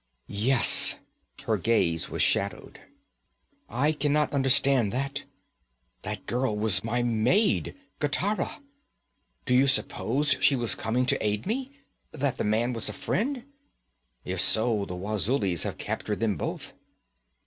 'Yes.' Her gaze was shadowed. 'I can not understand that. That girl was my maid, Gitara. Do you suppose she was coming to aid me? That the man was a friend? If so, the Wazulis have captured them both.'